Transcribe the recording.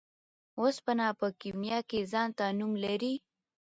اوسپنه په کيميا کي ځانته نوم لري .